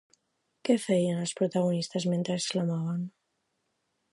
Què feien els protagonistes mentre exclamaven?